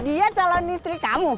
dia calon istri kamu